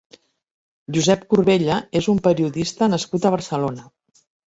Josep Corbella és un periodista nascut a Barcelona.